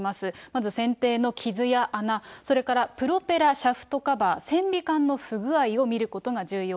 まず船底の傷や穴、それからプロペラシャフトカバー、船尾管の不具合を見ることが重要。